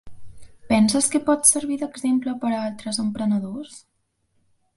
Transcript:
Penses que pots servir d'exemple per a altres emprenedors?